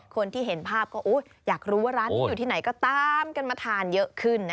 คนที่เห็นภาพก็อยากรู้ว่าร้านนี้อยู่ที่ไหนก็ตามกันมาทานเยอะขึ้น